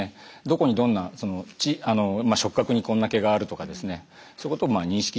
どこにどんな触角にこんな毛があるとかですねそういうことを認識